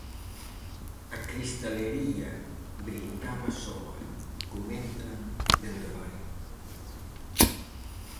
"A cristalería brindaba soa", comentan dende Baio.